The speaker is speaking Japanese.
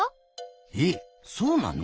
えっそうなの？